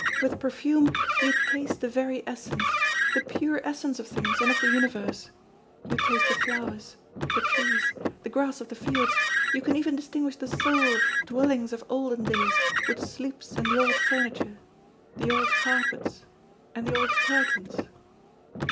With perfume you taste the very essence, the pure essence of things and of the universe you taste the flowers the trees the grass of the fields you can even distinguish the soul of the dwellings of olden days which sleeps in the old furniture, the old carpets, and the old curtains."